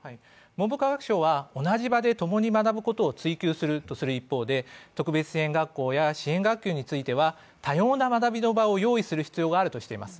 文部科学省は同じ場で共に学ぶこととするうえで特別支援学校や支援学級については多様な学びの場を用意する必要があるとしています。